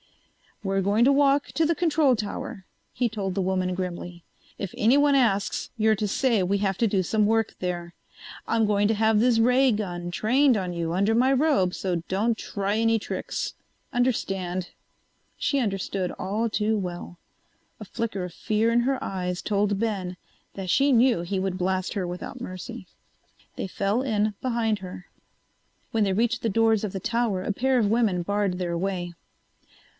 "We're going to walk to the control tower," he told the woman grimly. "If anyone asks you're to say we have to do some work there. I'm going to have this ray gun trained on you under my robe, so don't try any tricks. Understand?" She understood all too well. A flicker of fear in her eyes told Ben that she knew he would blast her without mercy. They fell in behind her. When they reached the doors of the tower a pair of women barred their way.